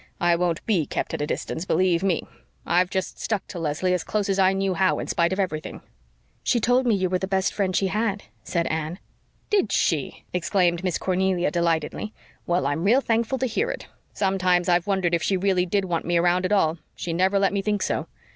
I won't BE kept at a distance, believe ME! I've just stuck to Leslie as close as I knew how in spite of everything." "She told me you were the best friend she had," said Anne. "Did she?" exclaimed Miss Cornelia delightedly. "Well, I'm real thankful to hear it. Sometimes I've wondered if she really did want me around at all she never let me think so.